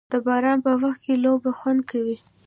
د باران په وخت کې لوبه خوند کوي.